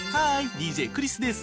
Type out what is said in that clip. ＤＪクリスです。